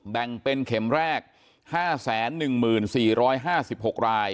แบ่งเป็นเข็มแรก๕๑๔๕๖ราย